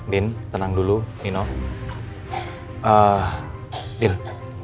takut jadi apa apa